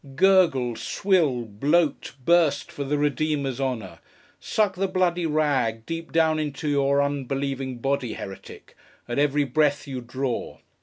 Gurgle, swill, bloat, burst, for the Redeemer's honour! Suck the bloody rag, deep down into your unbelieving body, Heretic, at every breath you draw!